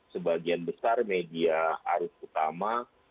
sebagian besar media arus utama